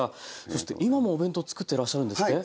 そして今もお弁当作ってらっしゃるんですって？